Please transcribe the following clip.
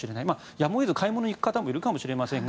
やむを得ず買い物に行く方もいるかもしれませんが。